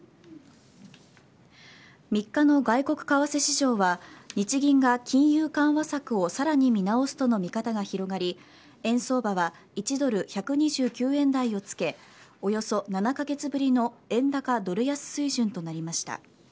３日の外国為替市場は日銀が金融緩和策をさらに見直すとの見方が広がり円相場は１ドル１２９円台をつけおよそ７カ月ぶりの円高ドル安水準となりました。